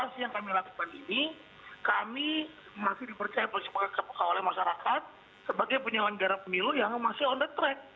sebagai penyelenggara pemilu yang masih on the track